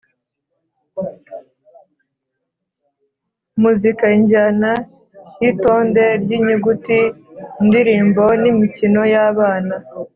Muzika: injyana y’itonde ry’inyuguti, indirimbo n’imikino y’abana.